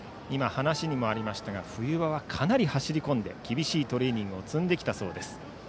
話にもありましたが冬場はかなり走り込んで厳しいトレーニングを積んできたそうです。